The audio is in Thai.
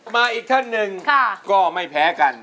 อีกท่านหนึ่งก็ไม่แพ้กัน